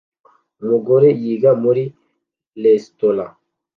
Umugore yiga muri resitora